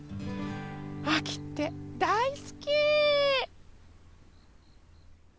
あきってだいすき！